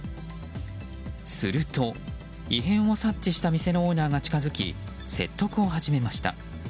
すると、異変を察知した店のオーナーが近づき説得を始めました。